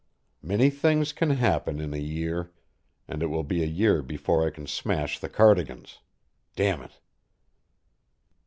Many things can happen in a year and it will be a year before I can smash the Cardigans. Damn it!"